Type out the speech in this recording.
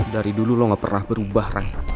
dari dulu lo gak pernah berubah rangga